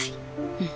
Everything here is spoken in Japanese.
うん。